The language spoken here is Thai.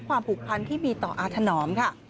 ความผูกพันธ์ที่มีต่ออาถนอมค่ะ